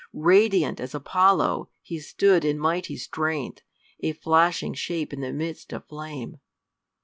Radiant as Apollo, he stood in mighty strength, a flashing shape in the midst of flame.